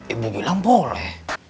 ibu bilang boleh